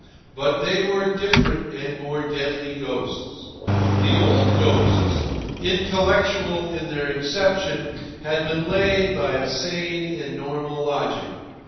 But they were different and more deadly ghosts. The old ghosts, intellectual in their inception, had been laid by a sane and normal logic.